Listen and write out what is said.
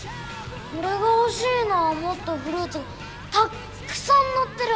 俺が欲しいのはもっとフルーツがたっくさんのってるの！